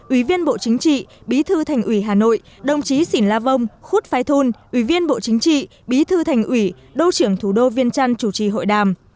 ủy viên bộ chính trị bí thư thành ủy hà nội đồng chí xỉn la vong khúc phai thun ủy viên bộ chính trị bí thư thành ủy đô trưởng thủ đô viên trăn chủ trì hội đàm